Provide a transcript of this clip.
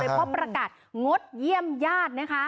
เพราะประกาศงดเยี่ยมญาตินะคะ